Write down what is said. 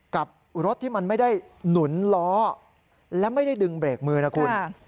กับรถที่มันไม่ได้หนุนล้อและไม่ได้ดึงเบรกมือนะคุณ